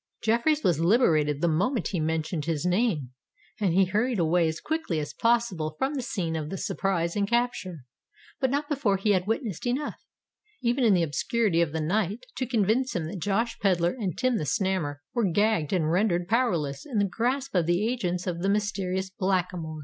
Jeffreys was liberated the moment he mentioned his name; and he hurried away as quickly as possible from the scene of the surprise and capture;—but not before he had witnessed enough, even in the obscurity of the night, to convince him that Josh Pedler and Tim the Snammer were gagged and rendered powerless in the grasp of the agents of the mysterious Blackamoor.